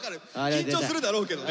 緊張するだろうけどね。